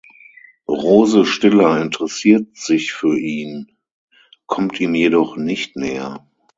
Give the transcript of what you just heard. Rose Stiller interessiert sich für ihn, kommt ihm jedoch nicht näher.